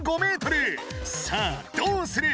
さあどうする？